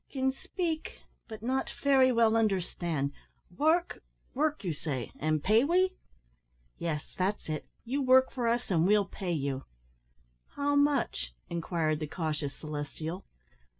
"Kin speek, but not fery well kin on'erstan'. Work, work you say, an' pay we?" "Yes, that's it; you work for us, and we'll pay you." "How moche?" inquired the cautious Celestial.